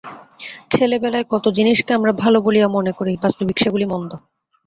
ছেলেবেলায় কত জিনিষকে আমরা ভাল বলিয়া মনে করি, বাস্তবিক সেগুলি মন্দ।